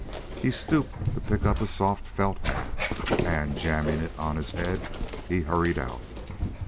He stooped to pick up a soft felt hat and, jamming it on his head, he hurried out.